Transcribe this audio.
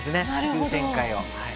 急展開を。